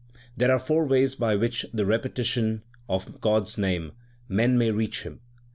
There are four ways by which, with the repetition of God s name, men may reach Him.